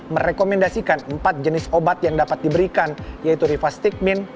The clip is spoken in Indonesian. merekomendasikan empat jenis obat yang dapat diberikan yaitu rivasticmin